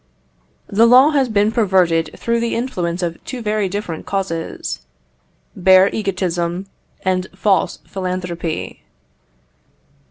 The law has been perverted through the influence of two very different causes bare egotism and false philanthropy.